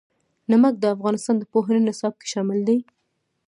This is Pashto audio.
نمک د افغانستان د پوهنې نصاب کې شامل دي.